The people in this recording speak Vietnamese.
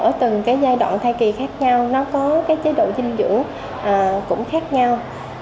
ở từng giai đoạn thai kỳ khác nhau nó có chế độ dinh dưỡng cũng khác nhau